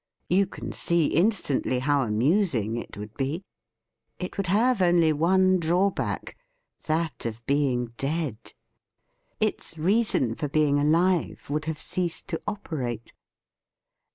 You can see instantly how amusing it would be. It would have only one drawback — that of being dead. Its reason for being alive would have ceased to operate.